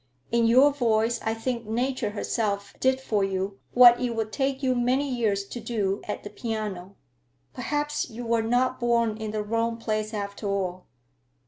In your voice I think Nature herself did for you what it would take you many years to do at the piano. Perhaps you were not born in the wrong place after all.